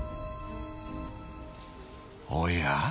おや？